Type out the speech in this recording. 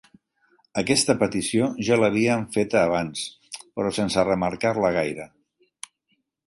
Aquesta petició ja la havien feta abans, però sense remarcar-la gaire.